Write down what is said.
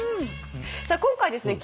さあ今回ですね